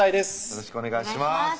よろしくお願いします